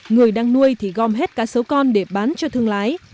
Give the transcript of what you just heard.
người đang nuôi thì gom hết cá sấu con để bán cho thương lái